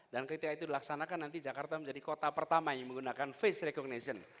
dan ketika itu dilaksanakan nanti jakarta menjadi kota pertama yang menggunakan face recognition